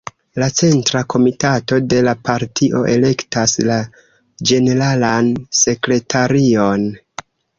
La Centra Komitato de la partio elektas la Ĝeneralan Sekretarion.